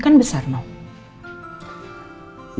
aku bisa mencari tahu alamat rumahnya